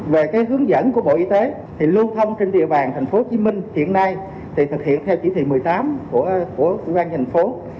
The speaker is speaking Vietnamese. về hướng dẫn của bộ y tế lưu thông trên địa bàn tp hcm hiện nay thực hiện theo chỉ thị một mươi tám của tp hcm